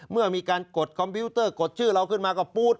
เมื่อมีการกดคอมพิวเตอร์กดชื่อเราขึ้นมาก็ปู๊ด